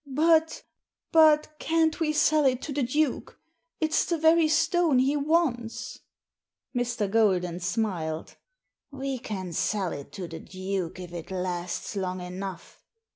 " But — but can't we sell it to the Duke ? It's the very stone he wants." Mr. Grolden smiled " We can sell it to the Duke if it lasts long enough.